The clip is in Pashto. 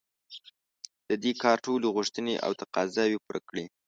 د دې کار ټولې غوښتنې او تقاضاوې پوره کړي.